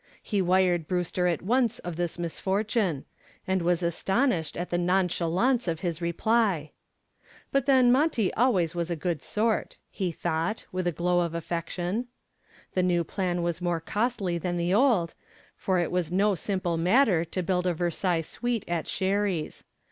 He wired Brewster at once of this misfortune, and was astonished at the nonchalance of his reply. "But then Monty always was a good sort," he thought, with a glow of affection. The new plan was more costly than the old, for it was no simple matter to build a Versailles suite at Sherry's.